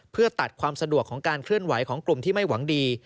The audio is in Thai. เพื่อตัดความสะดวกของการเคลื่อนไหวของกลุ่มที่ไม่หวังดี